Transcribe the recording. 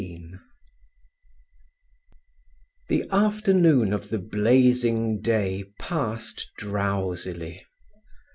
XV The afternoon of the blazing day passed drowsily.